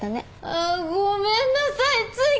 ああごめんなさい。